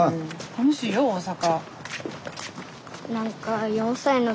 楽しいよ大阪。